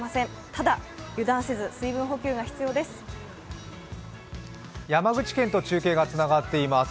ただ油断せず水分補給が必要です。